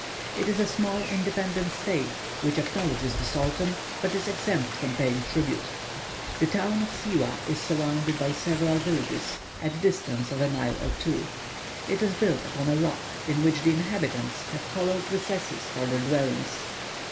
It is a small independent state, which acknowledges the Sultan, but is exempt from paying tribute. The town of Siwah is surrounded by several villages, at distances of a mile or two. It is built upon a rock in which the inhabitants have hollowed recesses for their dwellings.